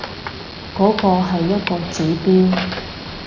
嗰個係一個指標